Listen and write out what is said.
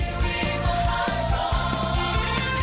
สวัสดีครับสวัสดีครับ